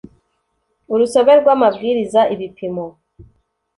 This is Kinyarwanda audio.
urusobe rw amabwiriza ibipimo